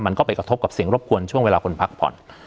มันก็ไปกระทบกับเสียงรบกวนช่วงเวลาคนพักผ่อน